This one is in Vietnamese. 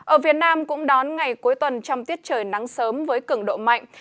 ở việt nam cũng đón ngày cuối tuần trong tiết trời nắng sớm với cường độ mạnh